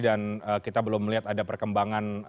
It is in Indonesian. kita belum melihat ada perkembangan